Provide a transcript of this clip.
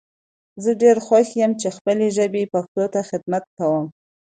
زه ډیر خوښ یم چی خپلې ژبي پښتو ته خدمت کوم